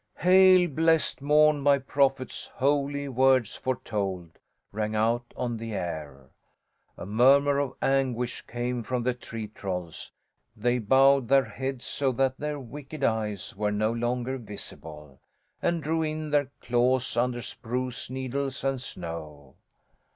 "Hail Blessed Morn, by prophets' holy words foretold," rang out on the air. A murmur of anguish came from the tree trolls; they bowed their heads so that their wicked eyes were no longer visible, and drew in their claws under spruce needles and snow.